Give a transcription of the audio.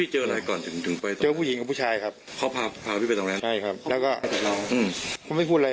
หลังจากนั้นผมก็รู้สึกตัวอีกที